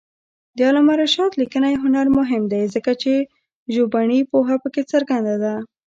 د علامه رشاد لیکنی هنر مهم دی ځکه چې څوژبني پوهه پکې څرګنده ده.